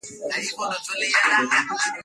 wala kuvu ijapokuwa anafanana na wawili hao